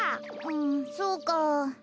んそうか。